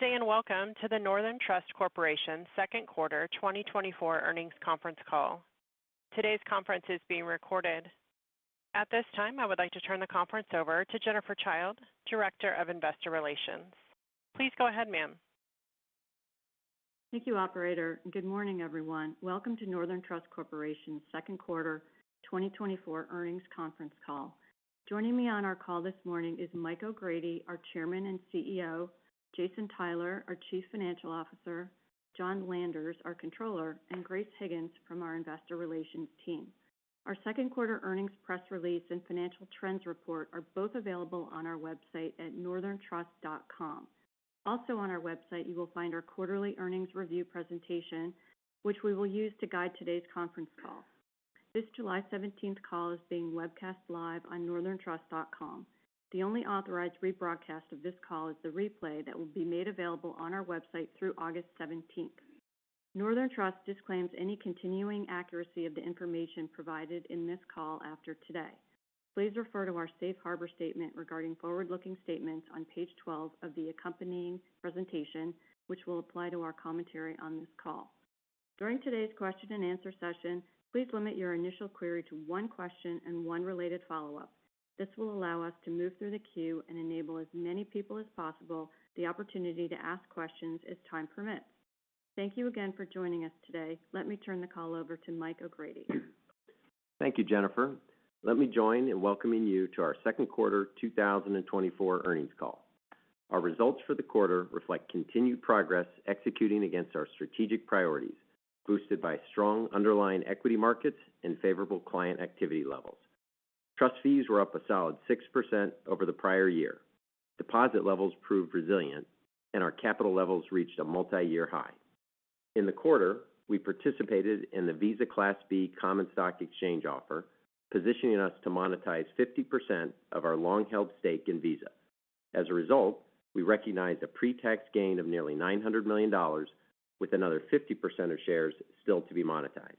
Good day, and welcome to the Northern Trust Corporation Second Quarter 2024 Earnings Conference Call. Today's conference is being recorded. At this time, I would like to turn the conference over to Jennifer Childe, Director of Investor Relations. Please go ahead, ma'am. Thank you, operator, and good morning, everyone. Welcome to Northern Trust Corporation's second quarter 2024 earnings conference call. Joining me on our call this morning is Michael O'Grady, our Chairman and CEO, Jason Tyler, our Chief Financial Officer, John Landers, our Controller, and Grace Higgins from our Investor Relations team. Our second quarter earnings press release and financial trends report are both available on our website at northerntrust.com. Also on our website, you will find our quarterly earnings review presentation, which we will use to guide today's conference call. This July seventeenth call is being webcast live on northerntrust.com. The only authorized rebroadcast of this call is the replay that will be made available on our website through August 17th. Northern Trust disclaims any continuing accuracy of the information provided in this call after today. Please refer to our safe harbor statement regarding forward-looking statements on page 12 of the accompanying presentation, which will apply to our commentary on this call. During today's question and answer session, please limit your initial query to one question and one related follow-up. This will allow us to move through the queue and enable as many people as possible the opportunity to ask questions as time permits. Thank you again for joining us today. Let me turn the call over to Michael O’Grady. Thank you, Jennifer. Let me join in welcoming you to our second quarter 2024 earnings call. Our results for the quarter reflect continued progress, executing against our strategic priorities, boosted by strong underlying equity markets and favorable client activity levels. Trust fees were up a solid 6% over the prior year. Deposit levels proved resilient, and our capital levels reached a multi-year high. In the quarter, we participated in the Visa Class B common stock exchange offer, positioning us to monetize 50% of our long-held stake in Visa. As a result, we recognized a pre-tax gain of nearly $900 million, with another 50% of shares still to be monetized.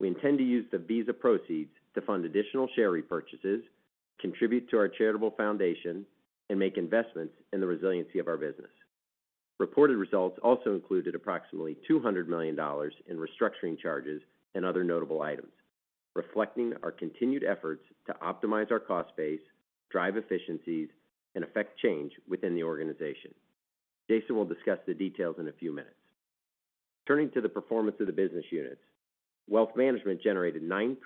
We intend to use the Visa proceeds to fund additional share repurchases, contribute to our charitable foundation, and make investments in the resiliency of our business. Reported results also included approximately $200 million in restructuring charges and other notable items, reflecting our continued efforts to optimize our cost base, drive efficiencies, and effect change within the organization. Jason will discuss the details in a few minutes. Turning to the performance of the business units. Wealth Management generated 9%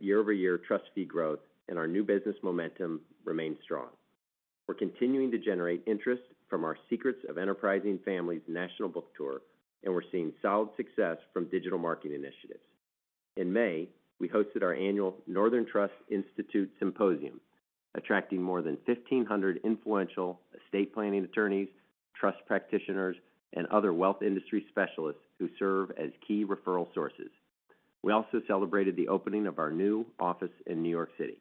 year-over-year trust fee growth, and our new business momentum remains strong. We're continuing to generate interest from our Secrets of Enterprising Families national book tour, and we're seeing solid success from digital marketing initiatives. In May, we hosted our annual Northern Trust Institute Symposium, attracting more than 1,500 influential estate planning attorneys, trust practitioners, and other wealth industry specialists who serve as key referral sources. We also celebrated the opening of our new office in New York City.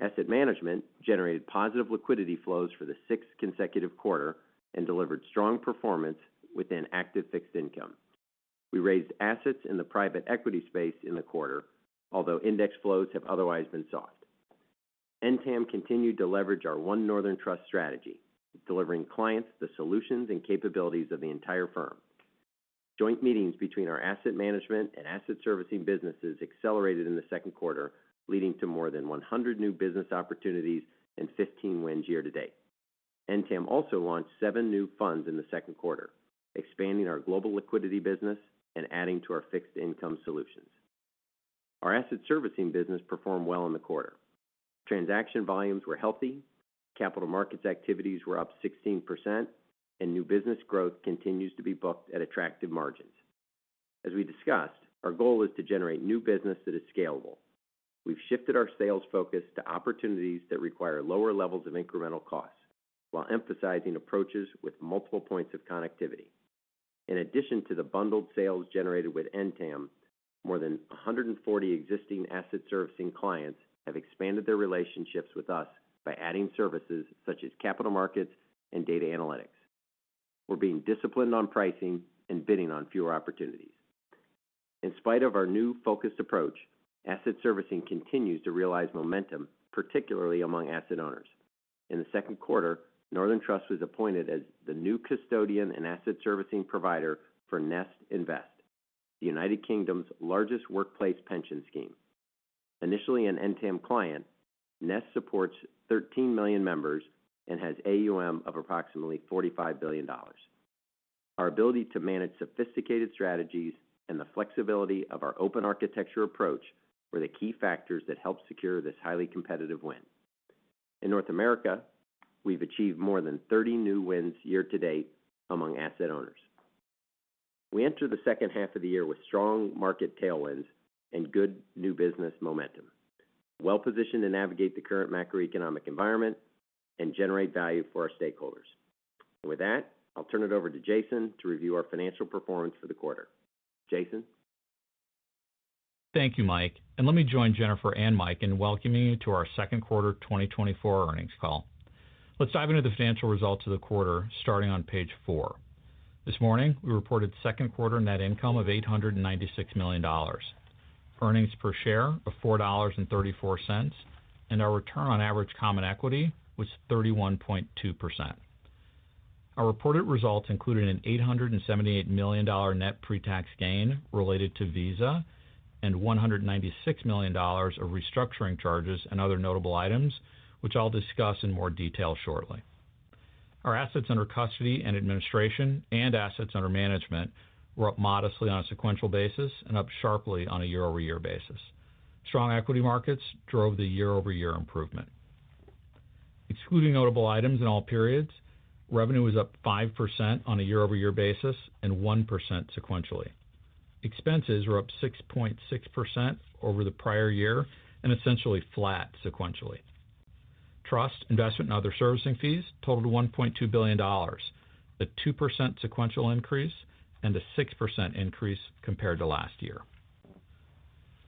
Asset Management generated positive liquidity flows for the sixth consecutive quarter and delivered strong performance within active fixed income. We raised assets in the private equity space in the quarter, although index flows have otherwise been soft. NTAM continued to leverage our One Northern Trust strategy, delivering clients the solutions and capabilities of the entire firm. Joint meetings between our asset management and asset servicing businesses accelerated in the second quarter, leading to more than 100 new business opportunities and 15 wins year to date. NTAM also launched seven new funds in the second quarter, expanding our global liquidity business and adding to our fixed income solutions. Our asset servicing business performed well in the quarter. Transaction volumes were healthy, capital markets activities were up 16%, and new business growth continues to be booked at attractive margins. As we discussed, our goal is to generate new business that is scalable. We've shifted our sales focus to opportunities that require lower levels of incremental costs, while emphasizing approaches with multiple points of connectivity. In addition to the bundled sales generated with NTAM, more than 140 existing Asset Servicing clients have expanded their relationships with us by adding services such as capital markets and data analytics. We're being disciplined on pricing and bidding on fewer opportunities. In spite of our new focused approach, Asset Servicing continues to realize momentum, particularly among asset owners. In the second quarter, Northern Trust was appointed as the new custodian and Asset Servicing provider for Nest Invest, the United Kingdom's largest workplace pension scheme. Initially, an NTAM client, Nest supports 13 million members and has AUM of approximately $45 billion. Our ability to manage sophisticated strategies and the flexibility of our open architecture approach were the key factors that helped secure this highly competitive win. In North America, we've achieved more than 30 new wins year to date among asset owners. We enter the second half of the year with strong market tailwinds and good new business momentum. Well-positioned to navigate the current macroeconomic environment and generate value for our stakeholders. With that, I'll turn it over to Jason to review our financial performance for the quarter. Jason? Thank you, Mike, and let me join Jennifer and Mike in welcoming you to our second quarter 2024 earnings call. Let's dive into the financial results of the quarter, starting on page four. This morning, we reported second quarter net income of $896 million.... earnings per share of $4.34, and our return on average common equity was 31.2%. Our reported results included an $878 million net pretax gain related to Visa, and $196 million of restructuring charges and other notable items, which I'll discuss in more detail shortly. Our assets under custody and administration, and assets under management, were up modestly on a sequential basis and up sharply on a year-over-year basis. Strong equity markets drove the year-over-year improvement. Excluding notable items in all periods, revenue was up 5% on a year-over-year basis and 1% sequentially. Expenses were up 6.6% over the prior year and essentially flat sequentially. Trust, investment, and other servicing fees totaled $1.2 billion, a 2% sequential increase and a 6% increase compared to last year.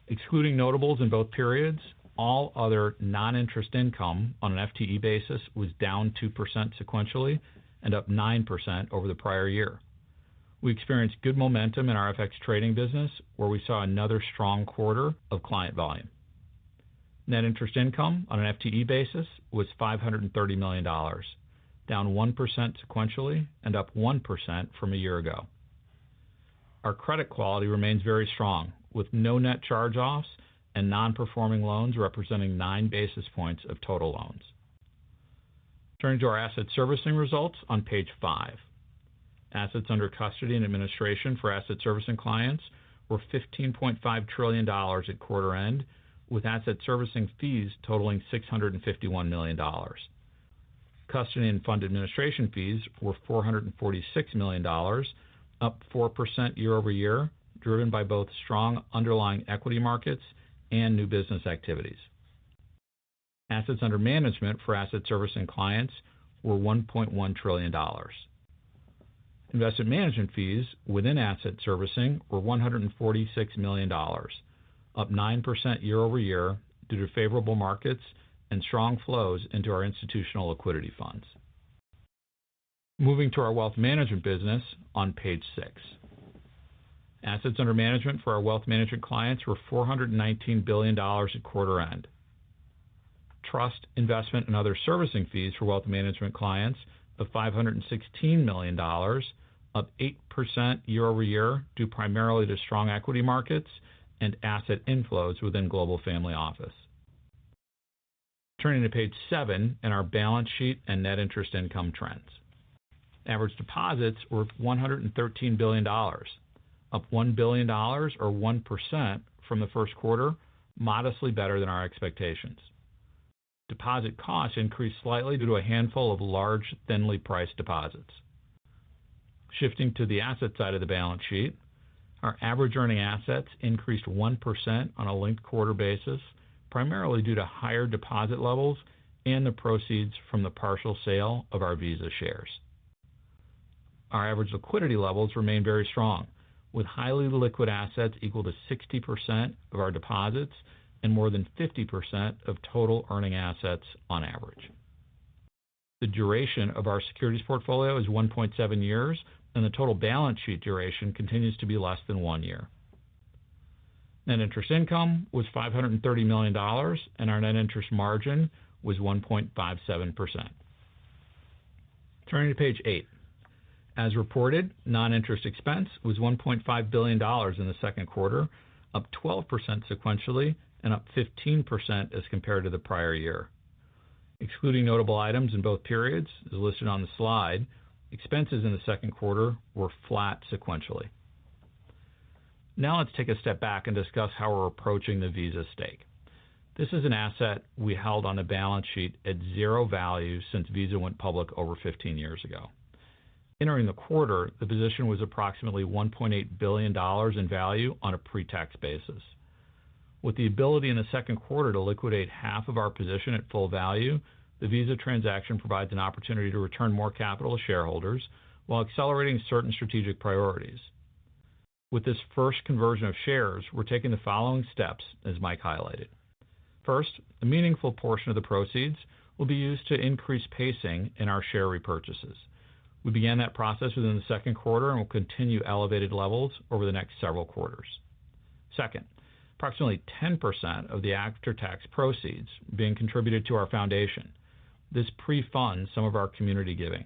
Excluding notables in both periods, all other non-interest income on an FTD basis was down 2% sequentially and up 9% over the prior year. We experienced good momentum in our FX trading business, where we saw another strong quarter of client volume. Net interest income on an FTD basis was $530 million, down 1% sequentially and up 1% from a year ago. Our credit quality remains very strong, with no net charge-offs and non-performing loans representing nine basis points of total loans. Turning to our asset servicing results on page five. Assets under custody and administration for asset servicing clients were $15.5 trillion at quarter end, with asset servicing fees totaling $651 million. Custody and fund administration fees were $446 million, up 4% year-over-year, driven by both strong underlying equity markets and new business activities. Assets under management for asset servicing clients were $1.1 trillion. Investment management fees within asset servicing were $146 million, up 9% year-over-year, due to favorable markets and strong flows into our institutional liquidity funds. Moving to our wealth management business on page six. Assets under management for our wealth management clients were $419 billion at quarter end. Trust, investment, and other servicing fees for wealth management clients of $516 million, up 8% year-over-year, due primarily to strong equity markets and asset inflows within Global Family Office. Turning to page seven and our balance sheet and net interest income trends. Average deposits were $113 billion, up $1 billion or 1% from the first quarter, modestly better than our expectations. Deposit costs increased slightly due to a handful of large, thinly priced deposits. Shifting to the asset side of the balance sheet, our average earning assets increased 1% on a linked-quarter basis, primarily due to higher deposit levels and the proceeds from the partial sale of our Visa shares. Our average liquidity levels remain very strong, with highly liquid assets equal to 60% of our deposits and more than 50% of total earning assets on average. The duration of our securities portfolio is 1.7 years, and the total balance sheet duration continues to be less than 1 year. Net interest income was $530 million, and our net interest margin was 1.57%. Turning to page eight. As reported, non-interest expense was $1.5 billion in the second quarter, up 12% sequentially and up 15% as compared to the prior year. Excluding notable items in both periods, as listed on the slide, expenses in the second quarter were flat sequentially. Now let's take a step back and discuss how we're approaching the Visa stake. This is an asset we held on the balance sheet at zero value since Visa went public over 15 years ago. Entering the quarter, the position was approximately $1.8 billion in value on a pretax basis. With the ability in the second quarter to liquidate half of our position at full value, the Visa transaction provides an opportunity to return more capital to shareholders while accelerating certain strategic priorities. With this first conversion of shares, we're taking the following steps, as Mike highlighted. First, a meaningful portion of the proceeds will be used to increase pacing in our share repurchases. We began that process within the second quarter and will continue elevated levels over the next several quarters. Second, approximately 10% of the after-tax proceeds being contributed to our foundation. This pre-funds some of our community giving.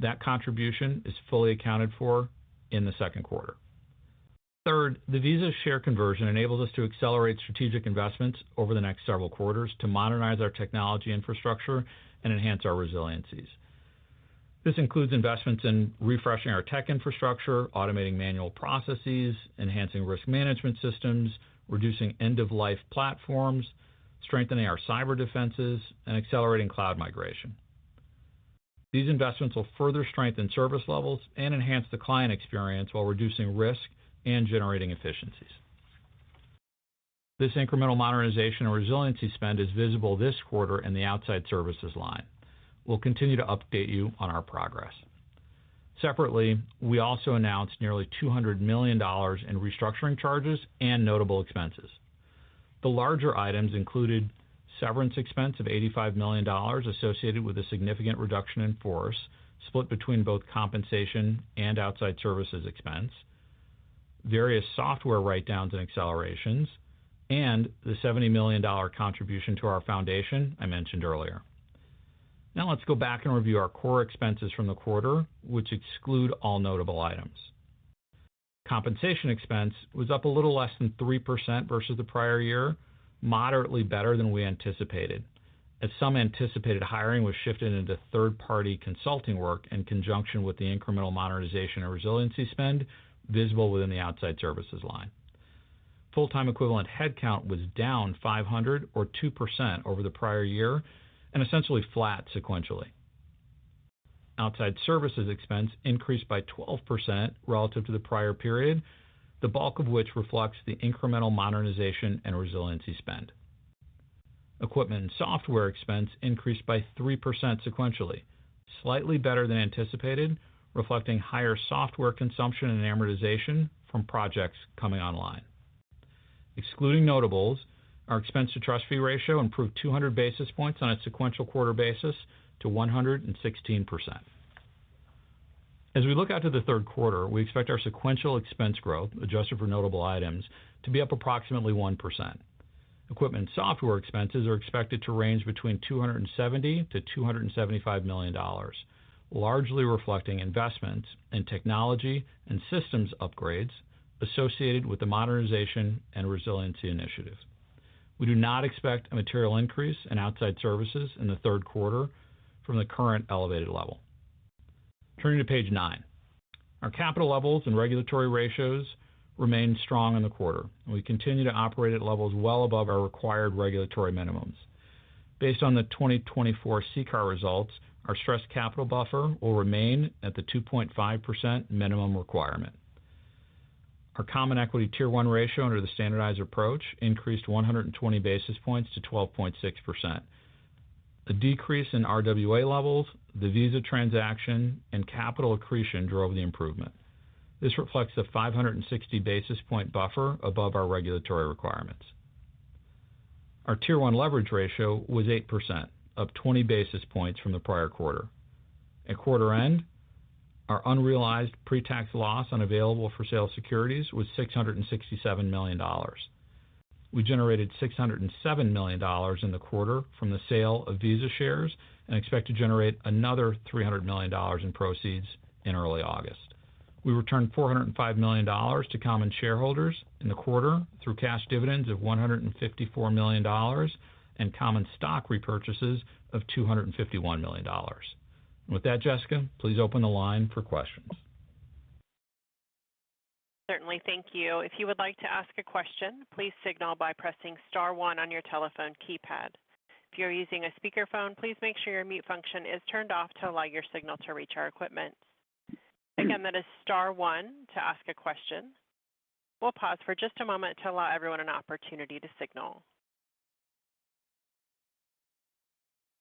That contribution is fully accounted for in the second quarter. Third, the Visa share conversion enables us to accelerate strategic investments over the next several quarters to modernize our technology infrastructure and enhance our resiliencies. This includes investments in refreshing our tech infrastructure, automating manual processes, enhancing risk management systems, reducing end-of-life platforms, strengthening our cyber defenses, and accelerating cloud migration. These investments will further strengthen service levels and enhance the client experience while reducing risk and generating efficiencies. This incremental modernization and resiliency spend is visible this quarter in the outside services line. We'll continue to update you on our progress. Separately, we also announced nearly $200 million in restructuring charges and notable expenses. The larger items included severance expense of $85 million associated with a significant reduction in force, split between both compensation and outside services expense, various software write-downs and accelerations, and the $70 million contribution to our foundation I mentioned earlier. Now let's go back and review our core expenses from the quarter, which exclude all notable items. Compensation expense was up a little less than 3% versus the prior year, moderately better than we anticipated, as some anticipated hiring was shifted into third-party consulting work in conjunction with the incremental modernization and resiliency spend, visible within the outside services line. Full-time equivalent headcount was down 500 or 2% over the prior year and essentially flat sequentially. Outside services expense increased by 12% relative to the prior period, the bulk of which reflects the incremental modernization and resiliency spend. Equipment and software expense increased by 3% sequentially, slightly better than anticipated, reflecting higher software consumption and amortization from projects coming online. Excluding notables, our expense-to-trust fee ratio improved 200 basis points on a sequential quarter basis to 116%. As we look out to the third quarter, we expect our sequential expense growth, adjusted for notable items, to be up approximately 1%. Equipment and software expenses are expected to range between $270 million-$275 million, largely reflecting investments in technology and systems upgrades associated with the modernization and resiliency initiatives. We do not expect a material increase in outside services in the third quarter from the current elevated level. Turning to page nine. Our capital levels and regulatory ratios remained strong in the quarter, and we continue to operate at levels well above our required regulatory minimums. Based on the 2024 CCAR results, our stress capital buffer will remain at the 2.5% minimum requirement. Our common equity Tier 1 ratio under the standardized approach increased 120 basis points to 12.6%. A decrease in RWA levels, the Visa transaction, and capital accretion drove the improvement. This reflects a 560 basis point buffer above our regulatory requirements. Our Tier 1 leverage ratio was 8%, up 20 basis points from the prior quarter. At quarter end, our unrealized pretax loss on available-for-sale securities was $667 million. We generated $607 million in the quarter from the sale of Visa shares and expect to generate another $300 million in proceeds in early August. We returned $405 million to common shareholders in the quarter through cash dividends of $154 million and common stock repurchases of $251 million. With that, Jessica, please open the line for questions. Certainly. Thank you. If you would like to ask a question, please signal by pressing star one on your telephone keypad. If you're using a speakerphone, please make sure your mute function is turned off to allow your signal to reach our equipment. Again, that is star one to ask a question. We'll pause for just a moment to allow everyone an opportunity to signal.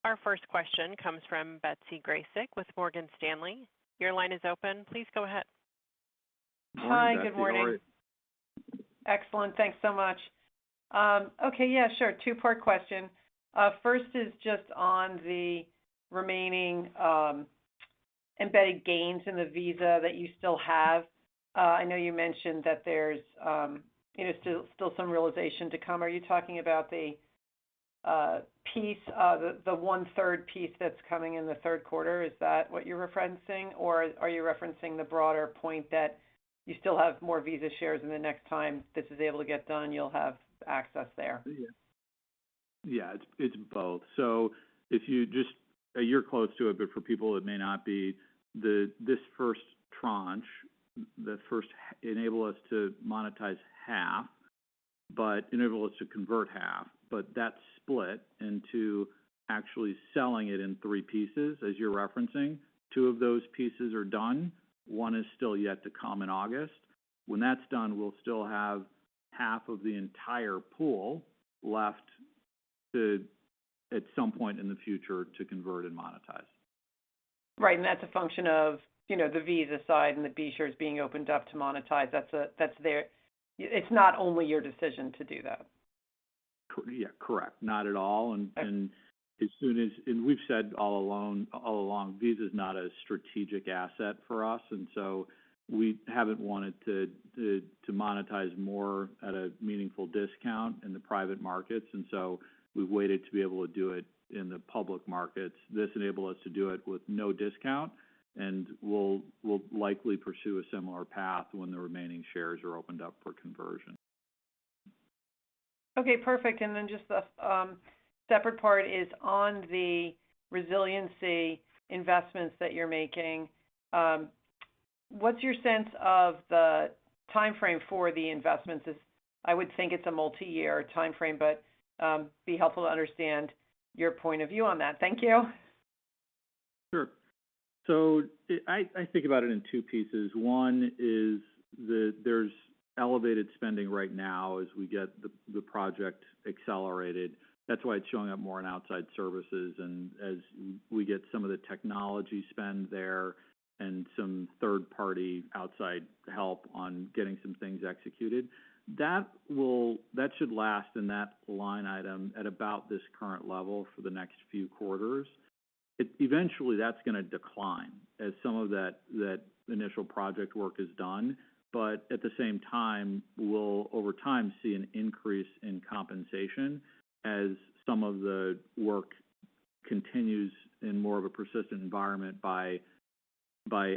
Our first question comes from Betsy Graseck with Morgan Stanley. Your line is open. Please go ahead. Hi, Betsy, how are you? Hi, good morning. Excellent. Thanks so much. Okay. Yeah, sure. Two-part question. First is just on the remaining embedded gains in the Visa that you still have. I know you mentioned that there's, you know, still some realization to come. Are you talking about the piece, the one-third piece that's coming in the third quarter? Is that what you're referencing, or are you referencing the broader point that you still have more Visa shares, and the next time this is able to get done, you'll have access there? Yeah, it's both. So if you just... You're close to it, but for people that may not be, this first tranche, the first, enable us to monetize half, but enable us to convert half. But that's split into actually selling it in three pieces, as you're referencing. Two of those pieces are done. One is still yet to come in August. When that's done, we'll still have half of the entire pool left to, at some point in the future, to convert and monetize. Right, and that's a function of, you know, the Visa side and the B shares being opened up to monetize. That's that's their... It's not only your decision to do that. Yeah, correct. Not at all. Okay. We've said all along, all along, Visa is not a strategic asset for us, and so we haven't wanted to monetize more at a meaningful discount in the private markets, and so we've waited to be able to do it in the public markets. This enabled us to do it with no discount, and we'll likely pursue a similar path when the remaining shares are opened up for conversion. Okay, perfect. And then just a separate part is on the resiliency investments that you're making. What's your sense of the timeframe for the investments? I would think it's a multiyear timeframe, but it'd be helpful to understand your point of view on that. Thank you. Sure. So I think about it in two pieces. One is there's elevated spending right now as we get the project accelerated. That's why it's showing up more in outside services, and as we get some of the technology spend there and some third-party outside help on getting some things executed. That should last in that line item at about this current level for the next few quarters. Eventually, that's going to decline as some of that initial project work is done. But at the same time, we'll over time see an increase in compensation as some of the work continues in more of a persistent environment by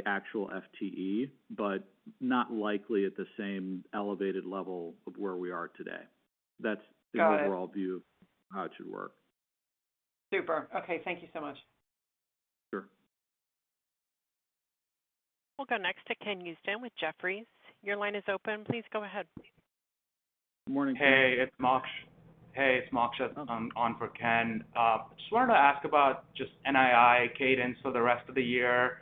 actual FTE, but not likely at the same elevated level of where we are today. That's- Got it. - the overall view of how it should work. Super. Okay, thank you so much. Sure. We'll go next to Ken Usdin with Jefferies. Your line is open. Please go ahead. Morning, Ken. Hey, it's Moksh. I'm on for Ken. Just wanted to ask about just NII cadence for the rest of the year.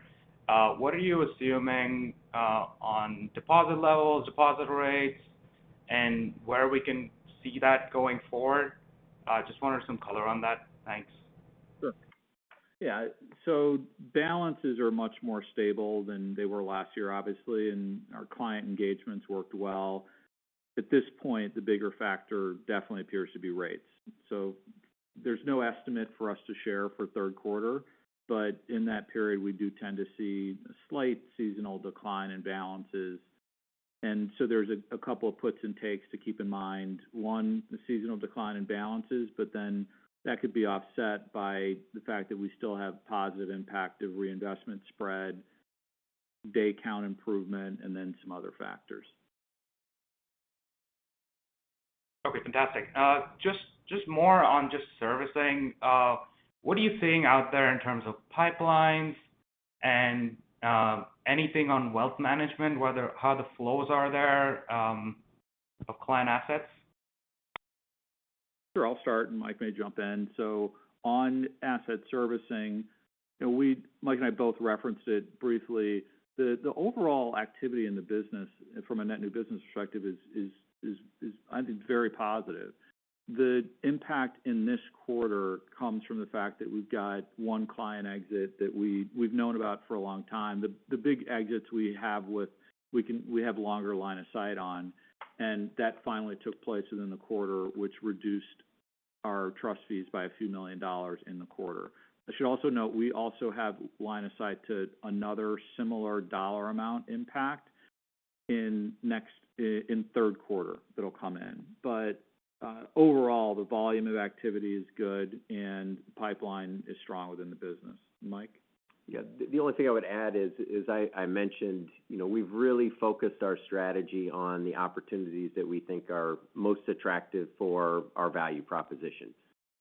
What are you assuming on deposit levels, deposit rates, and where we can see that going forward? Just wanted some color on that. Thanks. Sure. Yeah, so balances are much more stable than they were last year, obviously, and our client engagements worked well. At this point, the bigger factor definitely appears to be rates. So there's no estimate for us to share for third quarter, but in that period, we do tend to see a slight seasonal decline in balances. And so there's a, a couple of puts and takes to keep in mind. One, the seasonal decline in balances, but then that could be offset by the fact that we still have positive impact of reinvestment spread, day count improvement, and then some other factors. Okay, fantastic. Just, just more on just servicing. What are you seeing out there in terms of pipelines and, anything on wealth management, whether how the flows are there, of client assets? Sure, I'll start, and Mike may jump in. So on asset servicing, you know, Mike and I both referenced it briefly. The overall activity in the business from a net new business perspective is, I think, very positive. The impact in this quarter comes from the fact that we've got one client exit that we've known about for a long time. The big exits we have, we have longer line of sight on, and that finally took place within the quarter, which reduced our trust fees by a few million dollars in the quarter. I should also note, we also have line of sight to another similar dollar amount impact in next, in third quarter that'll come in. But overall, the volume of activity is good and pipeline is strong within the business. Mike? Yeah, the only thing I would add is I mentioned, you know, we've really focused our strategy on the opportunities that we think are most attractive for our value proposition.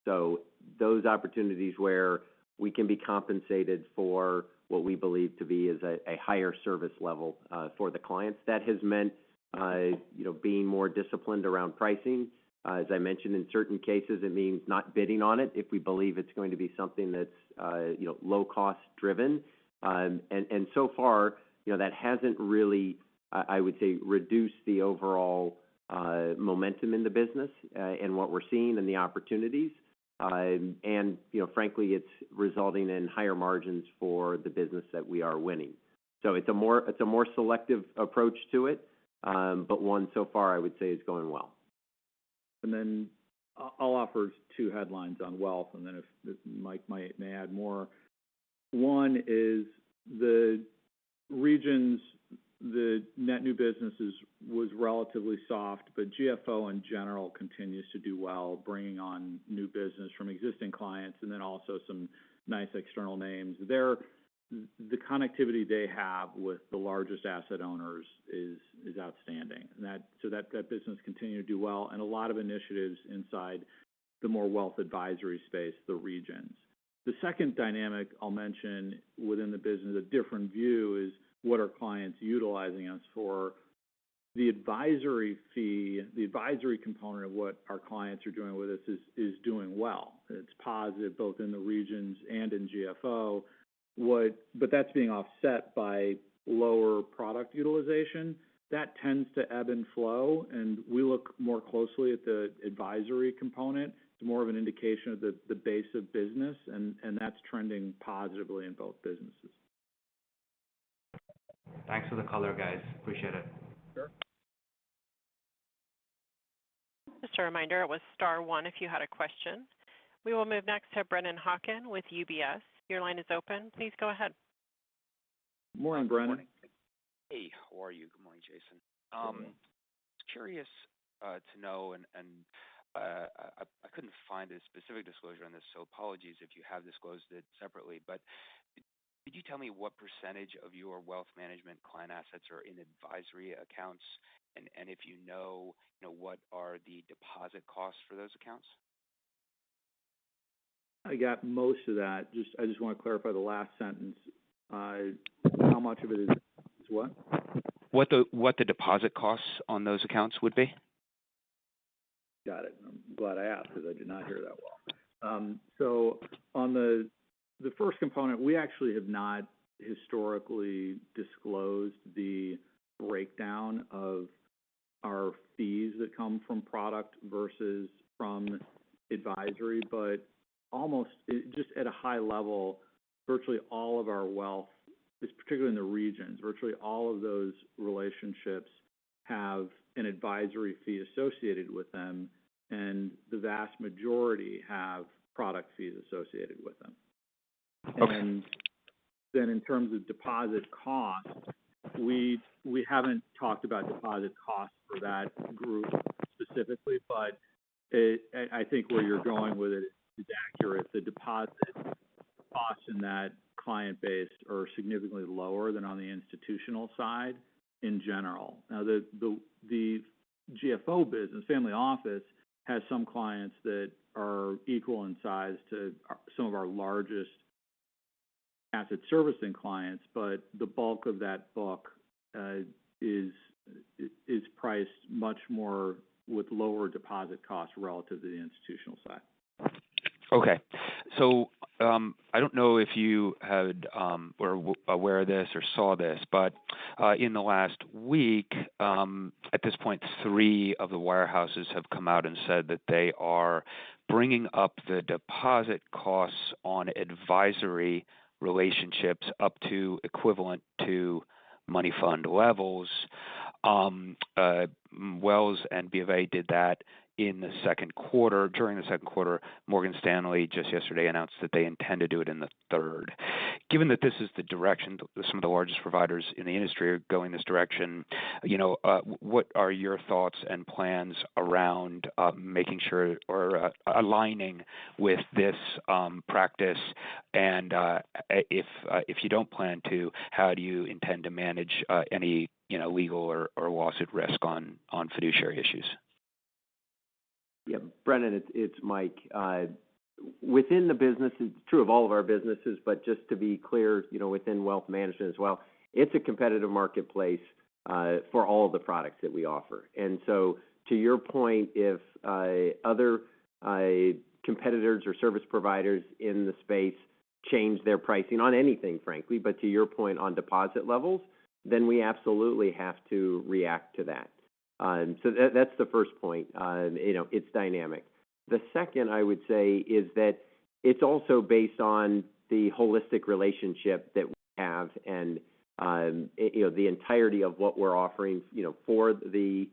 So those opportunities where we can be compensated for what we believe to be is a higher service level for the clients. That has meant, you know, being more disciplined around pricing. As I mentioned, in certain cases, it means not bidding on it, if we believe it's going to be something that's, you know, low cost driven. And so far, you know, that hasn't really, I would say, reduced the overall momentum in the business in what we're seeing and the opportunities. And, you know, frankly, it's resulting in higher margins for the business that we are winning. It's a more selective approach to it, but one so far, I would say, is going well. And then I'll offer two headlines on wealth, and then if Mike may add more. One is the regions, the net new businesses was relatively soft, but GFO in general continues to do well, bringing on new business from existing clients, and then also some nice external names. There, the connectivity they have with the largest asset owners is outstanding. That business continues to do well and a lot of initiatives inside the more wealth advisory space, the regions. The second dynamic I'll mention within the business, a different view, is what are clients utilizing us for. The advisory fee, the advisory component of what our clients are doing with us is doing well. It's positive, both in the regions and in GFO. But that's being offset by lower product utilization. That tends to ebb and flow, and we look more closely at the advisory component. It's more of an indication of the base of business, and that's trending positively in both businesses. Thanks for the color, guys. Appreciate it. Sure. Just a reminder, it was star one if you had a question. We will move next to Brennan Hawken with UBS. Your line is open. Please go ahead. Morning, Brennan. Good morning. Hey, how are you? Good morning, Jason. Good morning. Just curious to know, I couldn't find a specific disclosure on this, so apologies if you have disclosed it separately. But could you tell me what percentage of your wealth management client assets are in advisory accounts? And if you know, you know, what are the deposit costs for those accounts? I got most of that. I just want to clarify the last sentence. How much of it is what? What the deposit costs on those accounts would be? Got it. I'm glad I asked, because I did not hear that well. So on the first component, we actually have not historically disclosed the breakdown of our fees that come from product versus from advisory, but almost just at a high level, virtually all of our wealth is particularly in the regions. Virtually all of those relationships have an advisory fee associated with them, and the vast majority have product fees associated with them. Okay. And then in terms of deposit costs, we haven't talked about deposit costs for that group specifically, but I think where you're going with it is accurate. The deposit costs in that client base are significantly lower than on the institutional side in general. Now, the GFO business, family office, has some clients that are equal in size to some of our largest asset servicing clients, but the bulk of that book is priced much more with lower deposit costs relative to the institutional side. Okay. So, I don't know if you had, or were aware of this or saw this, but, in the last week, at this point, three of the warehouses have come out and said that they are bringing up the deposit costs on advisory relationships up to equivalent to money fund levels. Wells and BofA did that in the second quarter, during the second quarter. Morgan Stanley, just yesterday announced that they intend to do it in the third. Given that this is the direction, some of the largest providers in the industry are going this direction, you know, what are your thoughts and plans around, making sure or, aligning with this, practice? If you don't plan to, how do you intend to manage any, you know, legal or lawsuit risk on fiduciary issues? Yeah, Brennan, it's Mike. Within the business, it's true of all of our businesses, but just to be clear, you know, within Wealth Management as well, it's a competitive marketplace for all of the products that we offer. And so to your point, if other competitors or service providers in the space change their pricing on anything, frankly, but to your point on deposit levels, then we absolutely have to react to that. So that's the first point. You know, it's dynamic. The second I would say is that it's also based on the holistic relationship that we have and, you know, the entirety of what we're offering, you know, for the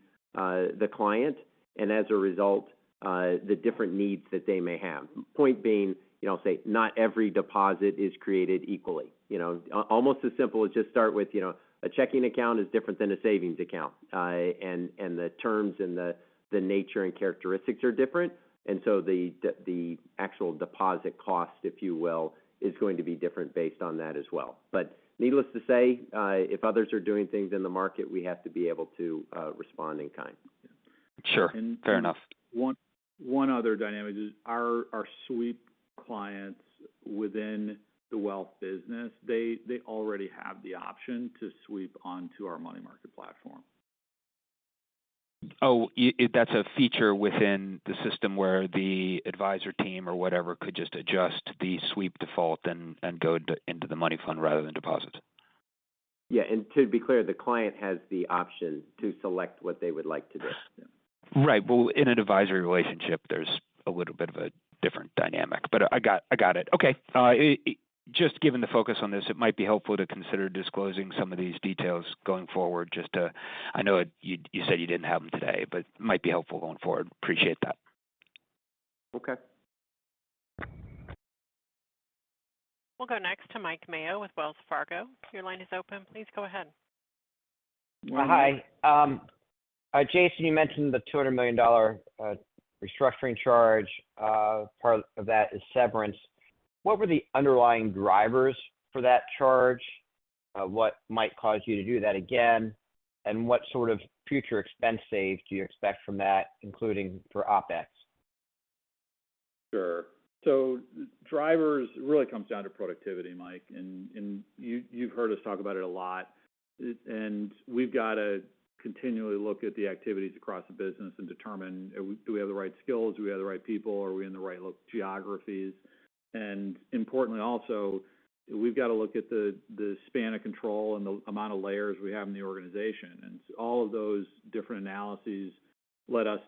client, and as a result the different needs that they may have. Point being, you know, say not every deposit is created equally. You know, almost as simple as just start with, you know, a checking account is different than a savings account. And the terms and the nature and characteristics are different, and so the actual deposit cost, if you will, is going to be different based on that as well. But needless to say, if others are doing things in the market, we have to be able to respond in kind. Sure, fair enough. One other dynamic is our sweep clients within the wealth business. They already have the option to sweep onto our money market platform. Oh, that's a feature within the system where the advisor team or whatever could just adjust the sweep default and go into the money fund rather than deposits? Yeah, and to be clear, the client has the option to select what they would like to do. Right. Well, in an advisory relationship, there's a little bit of a different dynamic, but I got it. Okay, just given the focus on this, it might be helpful to consider disclosing some of these details going forward, just to... I know you, you said you didn't have them today, but might be helpful going forward. Appreciate that. Okay. We'll go next to Mike Mayo with Wells Fargo. Your line is open. Please go ahead. Hi. Jason, you mentioned the $200 million restructuring charge. Part of that is severance. What were the underlying drivers for that charge? What might cause you to do that again? And what sort of future expense saves do you expect from that, including for OpEx? Sure. So drivers really comes down to productivity, Mike, and you, you've heard us talk about it a lot. And we've got to continually look at the activities across the business and determine, do we have the right skills? Do we have the right people? Are we in the right geographies? And importantly, also, we've got to look at the span of control and the amount of layers we have in the organization. And all of those different analyses led us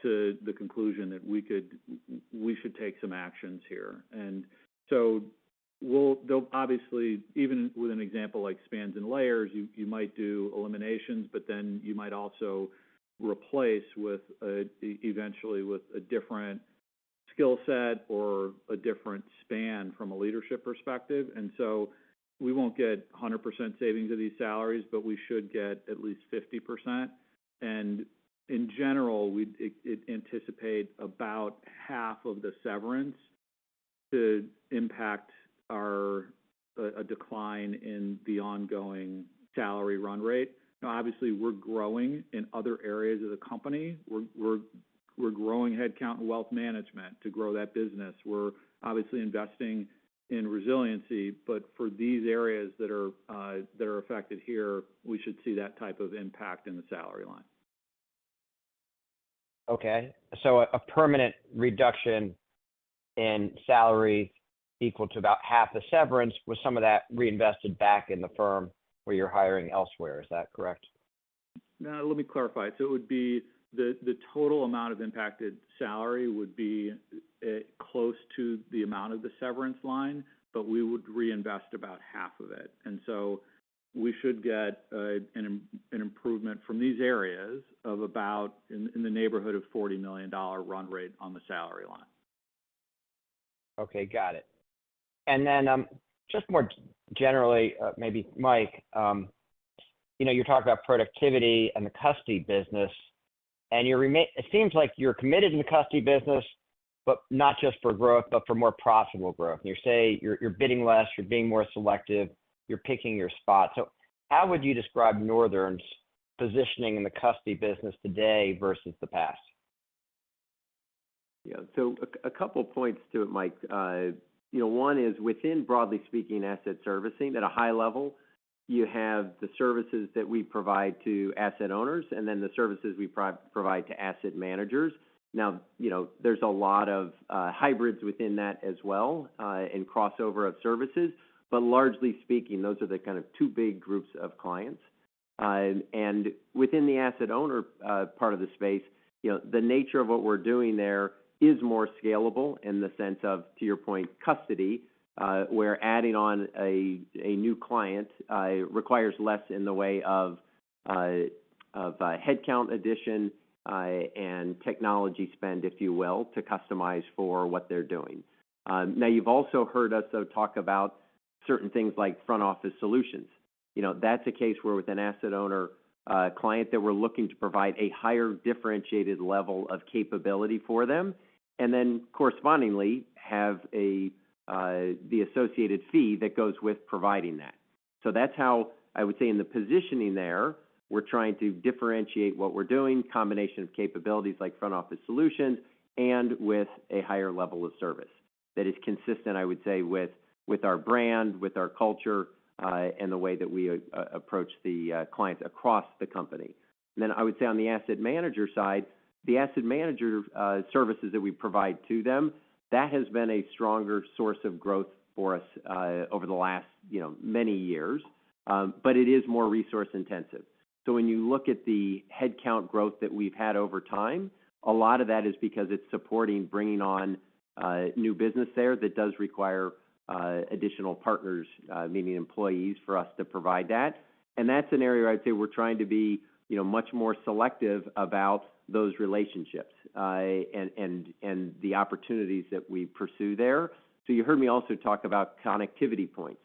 to the conclusion that we should take some actions here. And so we'll... Though obviously, even with an example like spans and layers, you might do eliminations, but then you might also replace eventually with a different skill set or a different span from a leadership perspective. We won't get 100% savings of these salaries, but we should get at least 50%. In general, we'd anticipate about half of the severance to impact a decline in the ongoing salary run rate. Now, obviously, we're growing in other areas of the company. We're growing headcount and wealth management to grow that business. We're obviously investing in resiliency, but for these areas that are, that are affected here, we should see that type of impact in the salary line. Okay, so a permanent reduction in salary equal to about half the severance, with some of that reinvested back in the firm where you're hiring elsewhere. Is that correct? No, let me clarify. So it would be the total amount of impacted salary would be close to the amount of the severance line, but we would reinvest about half of it. And so we should get an improvement from these areas of about in the neighborhood of $40 million run rate on the salary line. Okay, got it. And then, just more generally, maybe Mike, you know, you talked about productivity and the custody business, and you're remaining it seems like you're committed to the custody business, but not just for growth, but for more profitable growth. You say you're, you're bidding less, you're being more selective, you're picking your spots. So how would you describe Northern's positioning in the custody business today versus the past? Yeah. So a couple points to it, Mike. You know, one is within, broadly speaking, asset servicing at a high level, you have the services that we provide to asset owners and then the services we provide to asset managers. Now, you know, there's a lot of hybrids within that as well, and crossover of services, but largely speaking, those are the kind of two big groups of clients. And within the asset owner part of the space, you know, the nature of what we're doing there is more scalable in the sense of, to your point, custody, where adding on a new client requires less in the way of a headcount addition and technology spend, if you will, to customize for what they're doing. Now, you've also heard us, though, talk about certain things like front-office solutions. You know, that's a case where with an asset owner client that we're looking to provide a higher differentiated level of capability for them, and then correspondingly have the associated fee that goes with providing that. So that's how I would say in the positioning there, we're trying to differentiate what we're doing, combination of capabilities like front-office solution and with a higher level of service that is consistent, I would say, with our brand, with our culture, and the way that we approach the clients across the company. Then I would say on the asset manager side, the asset manager services that we provide to them, that has been a stronger source of growth for us, over the last, you know, many years, but it is more resource-intensive. So when you look at the headcount growth that we've had over time, a lot of that is because it's supporting bringing on new business there that does require additional partners, meaning employees, for us to provide that. And that's an area I'd say we're trying to be, you know, much more selective about those relationships and the opportunities that we pursue there. So you heard me also talk about connectivity points.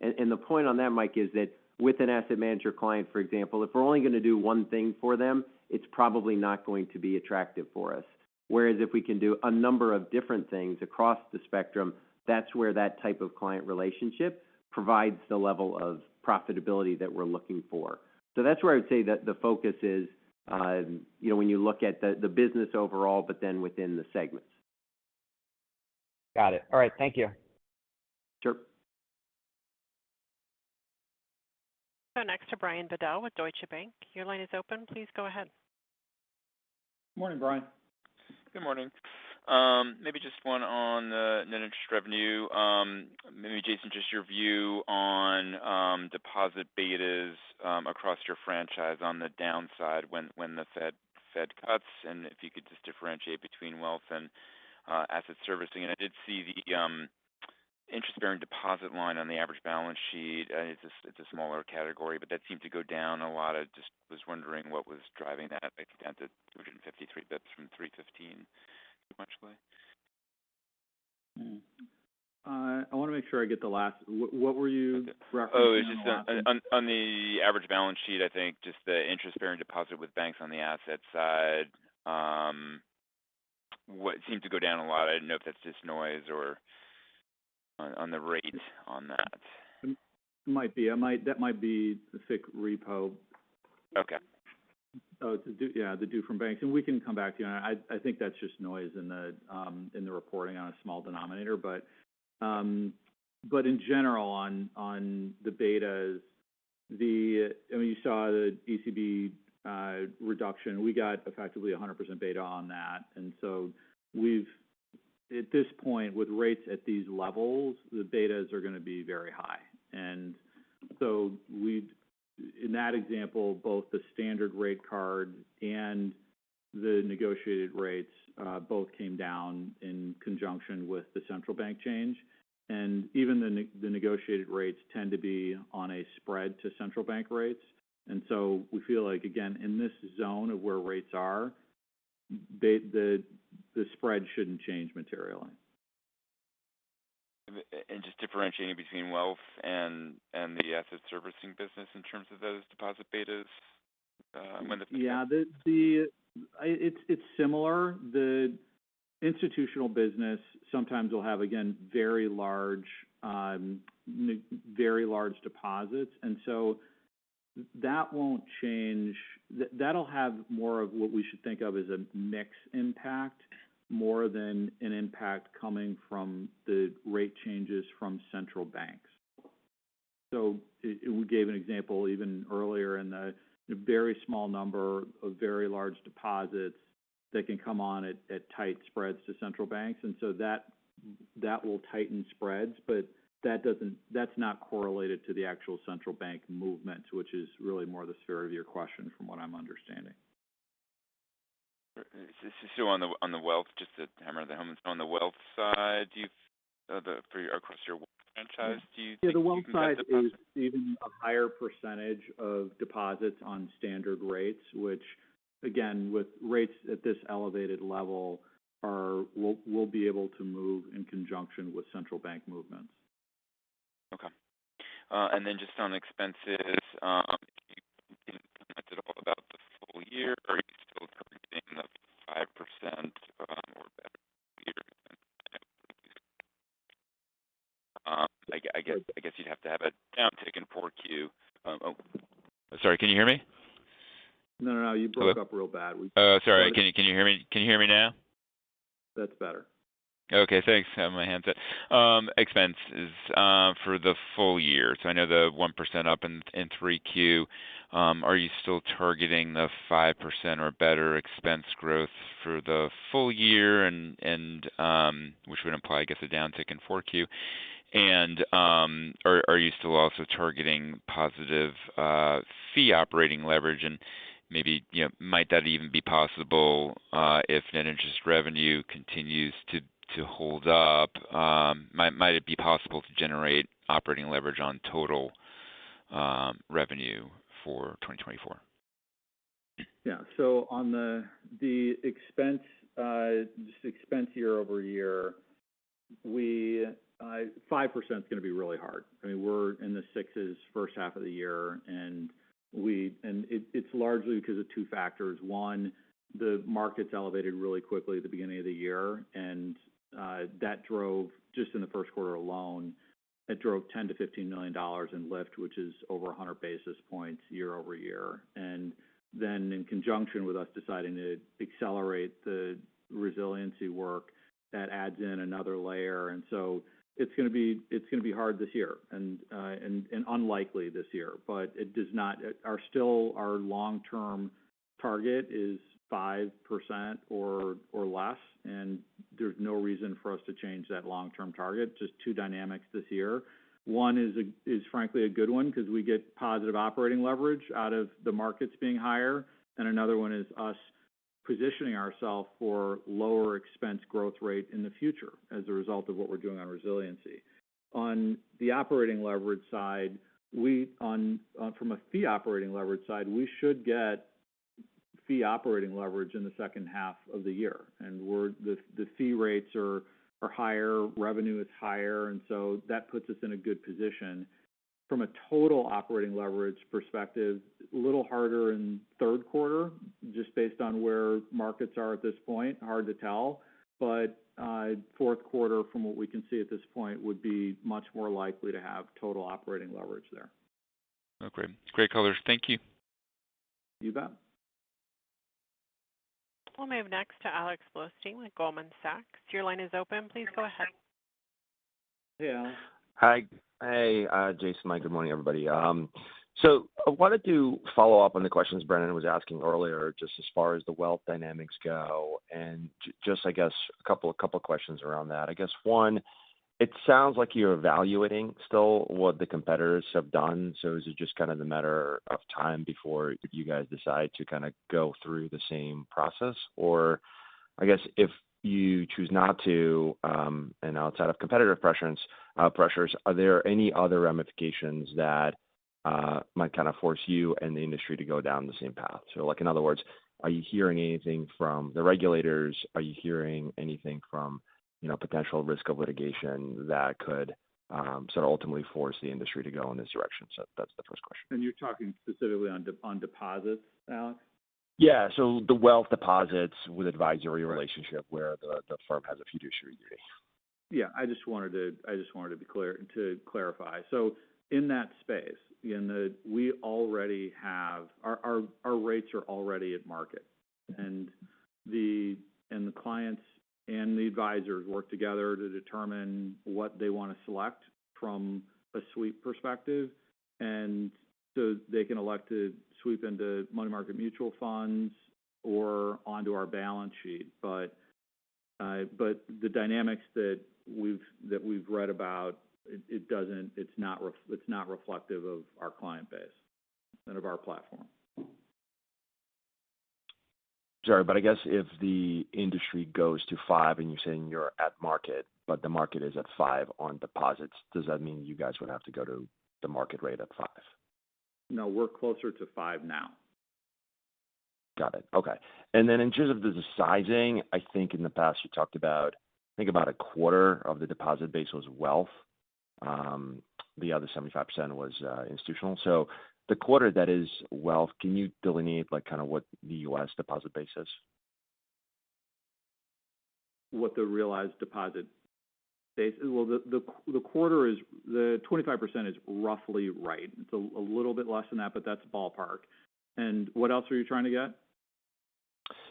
The point on that, Mike, is that with an asset manager client, for example, if we're only going to do one thing for them, it's probably not going to be attractive for us. Whereas if we can do a number of different things across the spectrum, that's where that type of client relationship provides the level of profitability that we're looking for. So that's where I would say that the focus is, you know, when you look at the business overall, but then within the segments. Got it. All right. Thank you. Sure. So next to Brian Bedell with Deutsche Bank. Your line is open. Please go ahead. Good morning, Brian. Good morning. Maybe just one on the net interest revenue. Maybe, Jason, just your view on deposit betas across your franchise on the downside when, when the Fed, Fed cuts, and if you could just differentiate between wealth and asset servicing. I did see the interest-bearing deposit line on the average balance sheet. It's a, it's a smaller category, but that seemed to go down a lot. I just was wondering what was driving that. It's down to 253 basis points from 315 basis points, essentially. I want to make sure I get the last. What were you referencing on the last bit? Oh, just on the average balance sheet, I think just the interest-bearing deposit with banks on the asset side, what seemed to go down a lot. I didn't know if that's just noise or on the rate on that. Might be. That might be the FICC repo. Okay. Yeah, the due from banks, and we can come back to you on that. I think that's just noise in the reporting on a small denominator, but... But in general, on the betas, I mean, you saw the ECB reduction. We got effectively 100% beta on that. And so at this point, with rates at these levels, the betas are going to be very high. And so in that example, both the standard rate card and the negotiated rates both came down in conjunction with the central bank change, and even the negotiated rates tend to be on a spread to central bank rates. And so we feel like, again, in this zone of where rates are, the spread shouldn't change materially. Just differentiating between wealth and the asset servicing business in terms of those deposit betas, when the- Yeah, it's similar. The institutional business sometimes will have, again, very large deposits, and so that won't change. That'll have more of what we should think of as a mix impact, more than an impact coming from the rate changes from central banks. So we gave an example even earlier in the very small number of very large deposits that can come on at tight spreads to central banks, and so that will tighten spreads, but that doesn't, that's not correlated to the actual central bank movements, which is really more the sphere of your question, from what I'm understanding.... So on the, on the wealth, just to hammer it home, on the wealth side, do you the for across your franchise, do you think- Yeah, the wealth side is even a higher percentage of deposits on standard rates, which again, with rates at this elevated level, will be able to move in conjunction with central bank movements. Okay. And then just on expenses, can you comment at all about the full year? Are you still targeting the 5%, or better year? I guess you'd have to have a downtick in 4Q. Sorry, can you hear me? No, no, no, you broke up real bad. Oh, sorry. Can you, can you hear me? Can you hear me now? That's better. Okay, thanks. I have my hands up. Expenses for the full year. So I know the 1% up in 3Q. Are you still targeting the 5% or better expense growth for the full year? And which would imply, I guess, a downtick in 4Q. And are you still also targeting positive fee operating leverage? And maybe, you know, might that even be possible if net interest revenue continues to hold up? Might it be possible to generate operating leverage on total revenue for 2024? Yeah. So on the expense year-over-year, five percent is going to be really hard. I mean, we're in the sixes first half of the year, and it's largely because of two factors. One, the market's elevated really quickly at the beginning of the year, and that drove, just in the first quarter alone, $10-$15 million in lift, which is over 100 basis points year-over-year. And then in conjunction with us deciding to accelerate the resiliency work, that adds in another layer. And so it's going to be hard this year, and unlikely this year. But it does not— our still, our long-term target is 5% or less, and there's no reason for us to change that long-term target. Just two dynamics this year. One is frankly a good one, because we get positive operating leverage out of the markets being higher, and another one is us positioning ourselves for lower expense growth rate in the future as a result of what we're doing on resiliency. On the operating leverage side, from a fee operating leverage side, we should get fee operating leverage in the second half of the year, and the fee rates are higher, revenue is higher, and so that puts us in a good position. From a total operating leverage perspective, a little harder in third quarter, just based on where markets are at this point, hard to tell. But fourth quarter, from what we can see at this point, would be much more likely to have total operating leverage there. Okay. Great colors. Thank you. You bet. We'll move next to Alex Blostein with Goldman Sachs. Your line is open. Please go ahead. Hey, Alex. Hi. Hey, Jason, Mike, good morning, everybody. So I wanted to follow up on the questions Brennan was asking earlier, just as far as the wealth dynamics go, and just, I guess, a couple of questions around that. I guess one, it sounds like you're evaluating still what the competitors have done. So is it just kind of a matter of time before you guys decide to kind of go through the same process? Or I guess if you choose not to, and outside of competitive pressures, pressures, are there any other ramifications that might kind of force you and the industry to go down the same path? So like in other words, are you hearing anything from the regulators? Are you hearing anything from, you know, potential risk of litigation that could, sort of ultimately force the industry to go in this direction? So that's the first question. You're talking specifically on deposits, Alex? Yeah. So the wealth deposits with advisory relationship where the, the firm has a fiduciary duty. Yeah, I just wanted to be clear, to clarify. So in that space, in the—we already have... Our rates are already at market, and the clients and the advisors work together to determine what they want to select from a sweep perspective. And so they can elect to sweep into money market mutual funds or onto our balance sheet. But the dynamics that we've read about, it doesn't—it's not reflective of our client base and of our platform. Sorry, but I guess if the industry goes to 5, and you're saying you're at market, but the market is at 5 on deposits, does that mean you guys would have to go to the market rate at five? No, we're closer to five now. Got it. Okay. And then in terms of the sizing, I think in the past you talked about, I think about a quarter of the deposit base was wealth. The other 75% was institutional. So the quarter that is wealth, can you delineate, like, kind of what the U.S. deposit base is? What the realized deposit base? Well, the quarter is—the 25% is roughly right. It's a little bit less than that, but that's ballpark. And what else are you trying to get?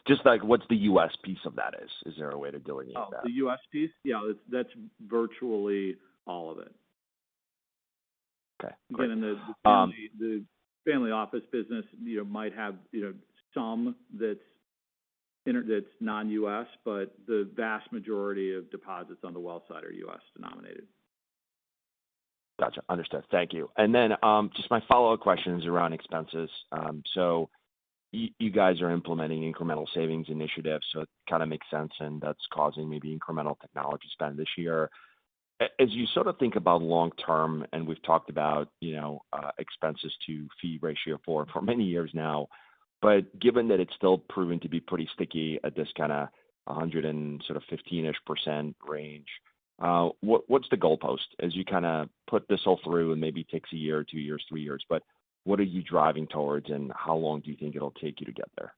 Just like, what's the U.S. piece of that is? Is there a way to delineate that? Oh, the U.S. piece? Yeah, that's, that's virtually all of it. Okay. Again, in the- Um- The family office business, you know, might have, you know, some that's non-U.S., but the vast majority of deposits on the wealth side are U.S.-denominated.... Gotcha. Understood. Thank you. And then, just my follow-up question is around expenses. So you guys are implementing incremental savings initiatives, so it kind of makes sense, and that's causing maybe incremental technology spend this year. As you sort of think about long term, and we've talked about, you know, expenses to fee ratio for many years now, but given that it's still proven to be pretty sticky at this kind of 115-ish% range, what, what's the goalpost as you kind of put this all through and maybe takes a year, two years, three years, but what are you driving towards, and how long do you think it'll take you to get there?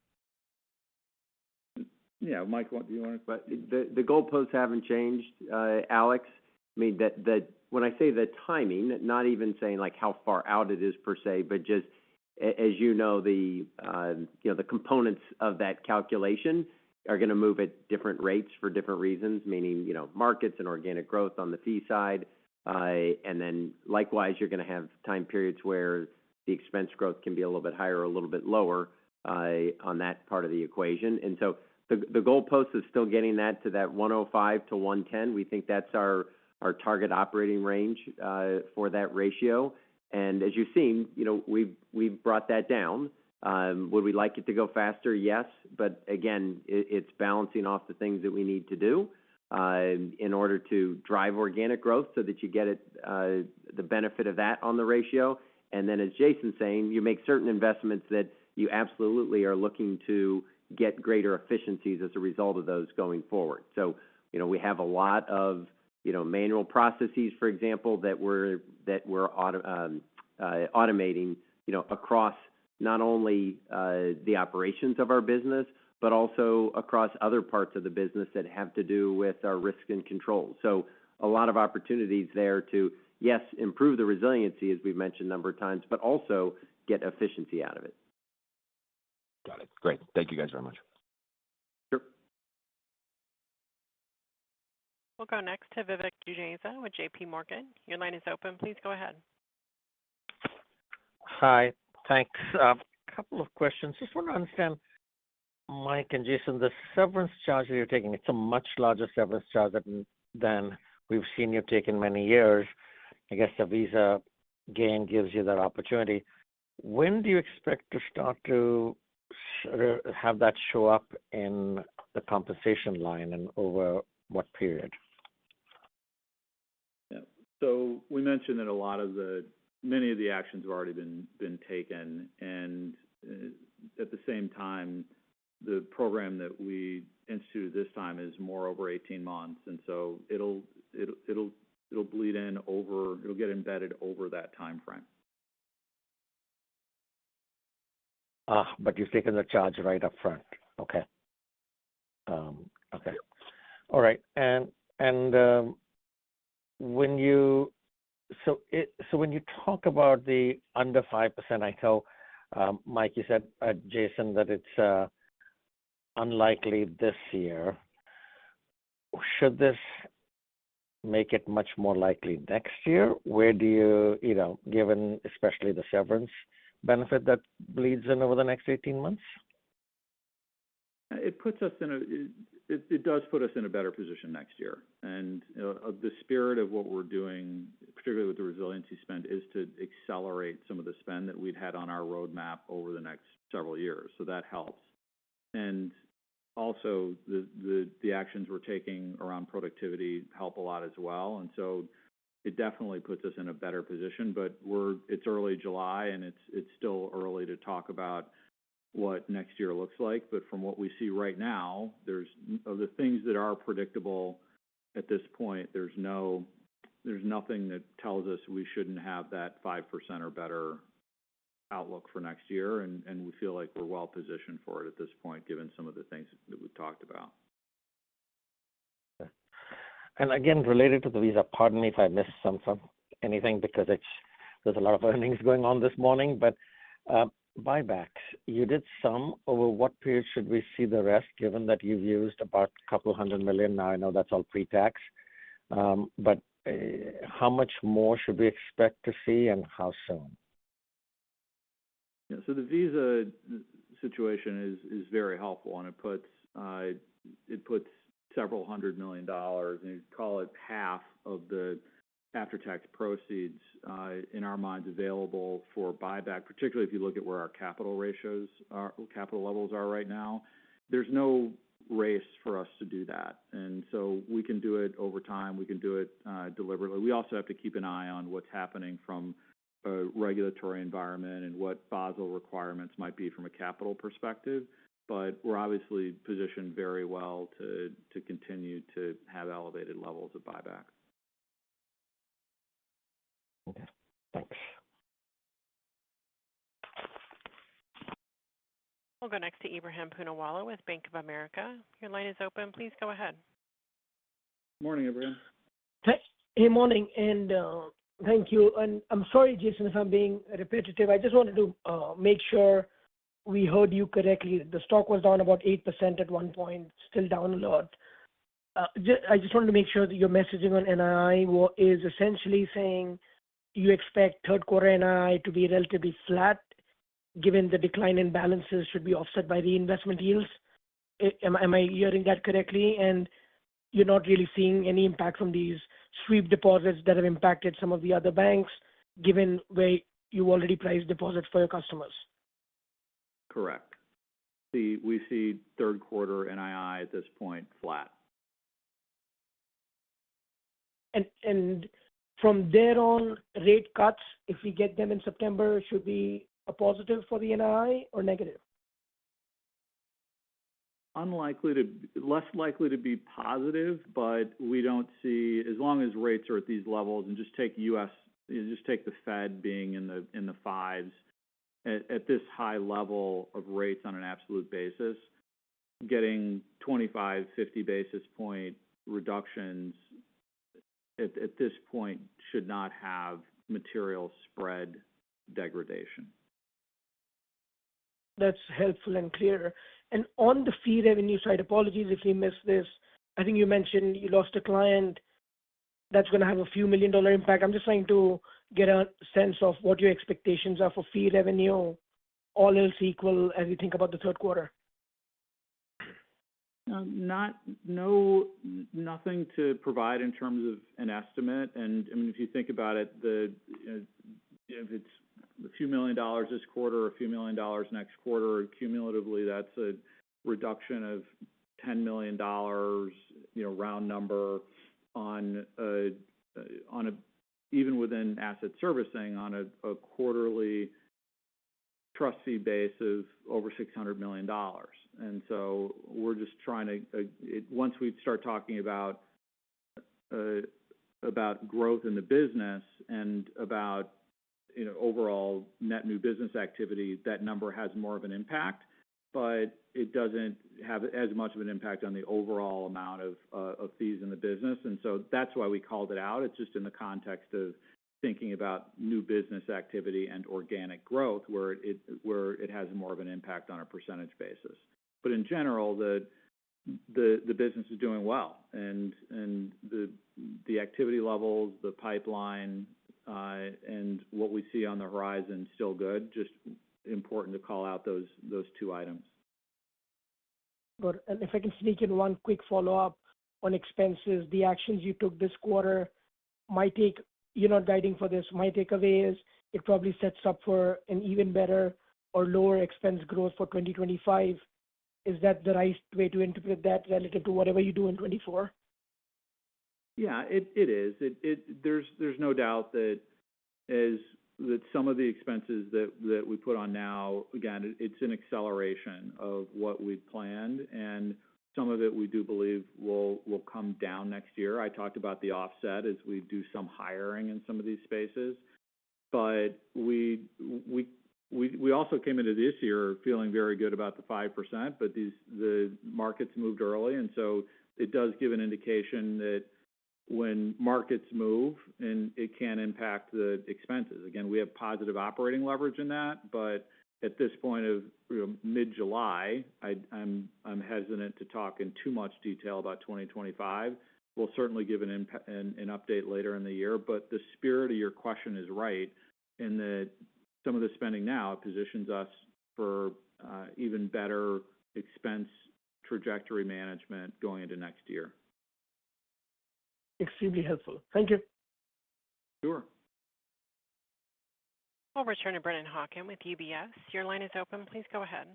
Yeah, Mike, what do you want? But the goalposts haven't changed, Alex. I mean, that when I say the timing, not even saying like how far out it is per se, but just as you know, you know, the components of that calculation are going to move at different rates for different reasons, meaning, you know, markets and organic growth on the fee side. And then likewise, you're going to have time periods where the expense growth can be a little bit higher or a little bit lower, on that part of the equation. And so the goalpost is still getting that to that 105 to 110. We think that's our target operating range, for that ratio. And as you've seen, you know, we've brought that down. Would we like it to go faster? Yes, but again, it's balancing off the things that we need to do in order to drive organic growth so that you get it, the benefit of that on the ratio. And then, as Jason's saying, you make certain investments that you absolutely are looking to get greater efficiencies as a result of those going forward. So, you know, we have a lot of, you know, manual processes, for example, that we're automating, you know, across not only the operations of our business, but also across other parts of the business that have to do with our risk and control. So a lot of opportunities there to, yes, improve the resiliency, as we've mentioned a number of times, but also get efficiency out of it. Got it. Great. Thank you guys very much. Sure. We'll go next to Vivek Juneja with JPMorgan. Your line is open. Please go ahead. Hi, thanks. A couple of questions. Just want to understand, Mike and Jason, the severance charges you're taking. It's a much larger severance charge than, than we've seen you take in many years. I guess the Visa gain gives you that opportunity. When do you expect to start to sort of have that show up in the compensation line, and over what period? Yeah. So we mentioned that many of the actions have already been taken, and at the same time, the program that we instituted this time is more over 18 months, and so it'll bleed in over... It'll get embedded over that timeframe. Ah, but you've taken the charge right up front. Okay. Okay. All right. And when you talk about the under 5%, I know, Mike, you said, Jason, that it's unlikely this year. Should this make it much more likely next year? Where do you, you know, given especially the severance benefit that bleeds in over the next 18 months? It puts us in a better position next year. And, the spirit of what we're doing, particularly with the resiliency spend, is to accelerate some of the spend that we've had on our roadmap over the next several years. So that helps. And also, the actions we're taking around productivity help a lot as well. And so it definitely puts us in a better position, but we're—it's early July, and it's still early to talk about what next year looks like. But from what we see right now, there's... Of the things that are predictable at this point, there's nothing that tells us we shouldn't have that 5% or better outlook for next year, and, and we feel like we're well positioned for it at this point, given some of the things that we've talked about. Again, related to the Visa, pardon me if I missed something because it's, there's a lot of earnings going on this morning, but buyback, you did some. Over what period should we see the rest, given that you've used about $200 million? Now, I know that's all pre-tax, but how much more should we expect to see and how soon? Yeah, so the Visa situation is very helpful, and it puts several hundred million dollars, and you'd call it half of the after-tax proceeds, in our minds, available for buyback, particularly if you look at where our capital ratios are, capital levels are right now. There's no race for us to do that, and so we can do it over time. We can do it deliberately. We also have to keep an eye on what's happening from a regulatory environment and what Basel requirements might be from a capital perspective. But we're obviously positioned very well to continue to have elevated levels of buyback. Okay, thanks. We'll go next to Ebrahim Poonawala with Bank of America. Your line is open. Please go ahead. Morning, Ebrahim. Hi. Hey, morning, and thank you. I'm sorry, Jason, if I'm being repetitive. I just wanted to make sure we heard you correctly. The stock was down about 8% at one point, still down a lot. I just wanted to make sure that your messaging on NII was, is essentially saying you expect third quarter NII to be relatively flat, given the decline in balances should be offset by the investment yields?... Am I, am I hearing that correctly? You're not really seeing any impact from these sweep deposits that have impacted some of the other banks, given the way you already priced deposits for your customers? Correct. See, we see third quarter NII at this point, flat. And from there on, rate cuts, if we get them in September, should be a positive for the NII or negative? Unlikely to be less likely to be positive, but we don't see, as long as rates are at these levels, and just take U.S., just take the Fed being in the fives. At this high level of rates on an absolute basis, getting 25, 50 basis point reductions at this point, should not have material spread degradation. That's helpful and clear. On the fee revenue side, apologies if we missed this. I think you mentioned you lost a client that's going to have a $few million impact. I'm just trying to get a sense of what your expectations are for fee revenue, all else equal, as you think about the third quarter. Nothing to provide in terms of an estimate. And, I mean, if you think about it, if it's a few $ million this quarter, or a few $ million next quarter, cumulatively that's a reduction of $10 million, you know, round number, on a, even within asset servicing, on a quarterly trustee base of over $600 million. And so we're just trying to, once we start talking about growth in the business and about, you know, overall net new business activity, that number has more of an impact. But it doesn't have as much of an impact on the overall amount of fees in the business. And so that's why we called it out. It's just in the context of thinking about new business activity and organic growth, where it has more of an impact on a percentage basis. But in general, the business is doing well, and the activity levels, the pipeline, and what we see on the horizon, still good. Just important to call out those two items. Good. And if I can sneak in one quick follow-up on expenses. The actions you took this quarter, my take... You're not guiding for this. My takeaway is it probably sets up for an even better or lower expense growth for 2025. Is that the right way to interpret that relative to whatever you do in 2024? Yeah, it is. It-- there's no doubt that some of the expenses that we put on now, again, it's an acceleration of what we've planned, and some of it we do believe will come down next year. I talked about the offset as we do some hiring in some of these spaces. But we also came into this year feeling very good about the 5%, but the markets moved early, and so it does give an indication that when markets move, and it can impact the expenses. Again, we have positive operating leverage in that, but at this point of, you know, mid-July, I'm hesitant to talk in too much detail about 2025. We'll certainly give an update later in the year, but the spirit of your question is right, in that some of the spending now positions us for even better expense trajectory management going into next year. Extremely helpful. Thank you. Sure. We'll return to Brennan Hawken with UBS. Your line is open. Please go ahead.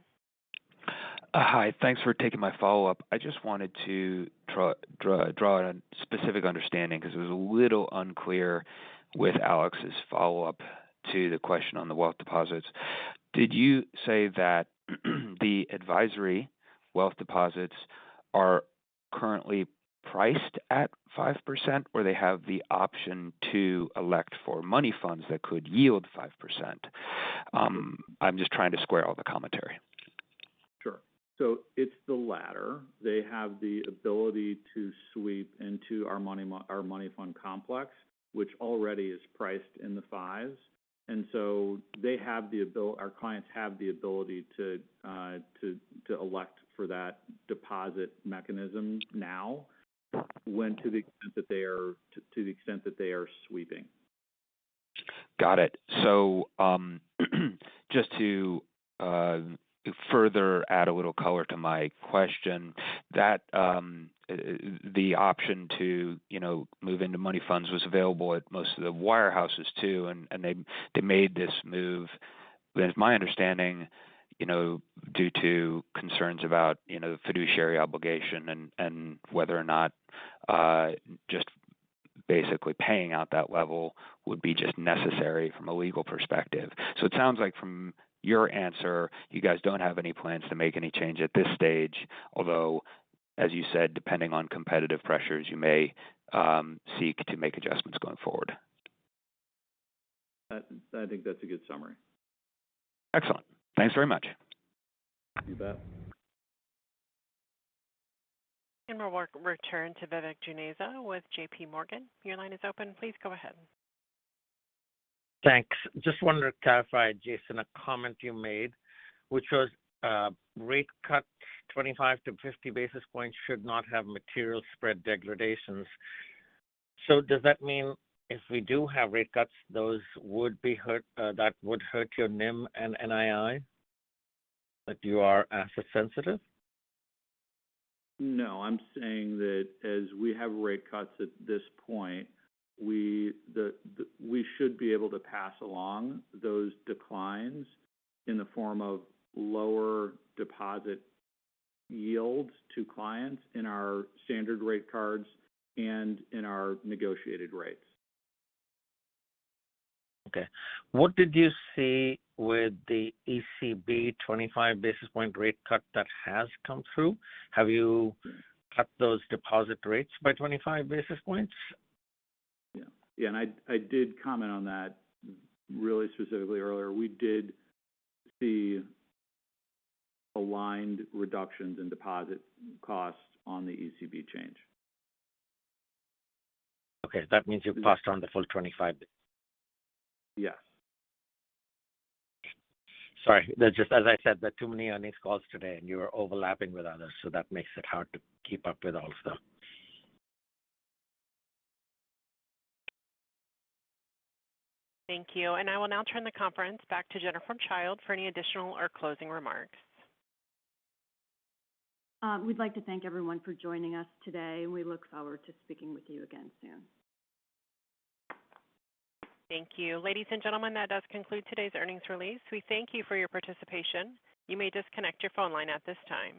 Hi, thanks for taking my follow-up. I just wanted to draw a specific understanding because it was a little unclear with Alex's follow-up to the question on the wealth deposits. Did you say that the advisory wealth deposits are currently priced at 5%, or they have the option to elect for money funds that could yield 5%? I'm just trying to square all the commentary. Sure. So it's the latter. They have the ability to sweep into our money fund complex, which already is priced in the fives. And so our clients have the ability to elect for that deposit mechanism now, to the extent that they are sweeping. Got it. So, just to further add a little color to my question, that the option to, you know, move into money funds was available at most of the wirehouses too, and they made this move. But it's my understanding, you know, due to concerns about, you know, the fiduciary obligation and whether or not just basically paying out that level would be just necessary from a legal perspective. So it sounds like from your answer, you guys don't have any plans to make any change at this stage, although, as you said, depending on competitive pressures, you may seek to make adjustments going forward. I think that's a good summary. Excellent. Thanks very much. You bet. We'll return to Vivek Juneja with J.P. Morgan. Your line is open. Please go ahead. Thanks. Just wanted to clarify, Jason, a comment you made, which was, rate cut 25-50 basis points should not have material spread degradations. So does that mean if we do have rate cuts, those would be hurt, that would hurt your NIM and NII? That you are asset sensitive? No, I'm saying that as we have rate cuts at this point, we should be able to pass along those declines in the form of lower deposit yields to clients in our standard rate cards and in our negotiated rates. Okay. What did you see with the ECB 25 basis point rate cut that has come through? Have you cut those deposit rates by 25 basis points? Yeah. Yeah, and I did comment on that really specifically earlier. We did see aligned reductions in deposit costs on the ECB change. Okay, that means you passed on the full 25? Yes. Sorry, that's just, as I said, there are too many earnings calls today, and you are overlapping with others, so that makes it hard to keep up with all the stuff. Thank you. I will now turn the conference back to Jennifer Childe for any additional or closing remarks. We'd like to thank everyone for joining us today, and we look forward to speaking with you again soon. Thank you. Ladies and gentlemen, that does conclude today's earnings release. We thank you for your participation. You may disconnect your phone line at this time.